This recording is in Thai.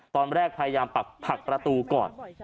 พยายามผลักประตูก่อน